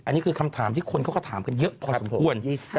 อันนี้คนเขาก็ถามกันเยอะพอสมควร